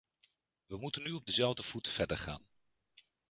We moeten nu op dezelfde voet verder gaan.